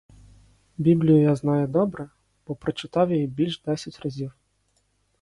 Біблію я знаю добре, бо прочитав її більш десять разів.